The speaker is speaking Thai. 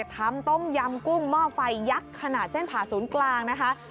ต้มยำกุ้งหม้อไฟยักษ์ขนาดเส้นผ่าศูนย์กลางนะคะ